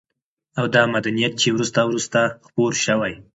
او دا مدنيت چې وروسته وروسته خپور شوى